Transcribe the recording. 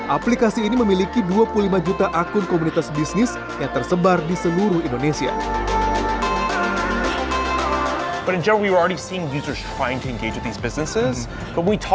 aplikasi ini memiliki dua puluh lima juta akun komunitas bisnis yang tersebar di seluruh indonesia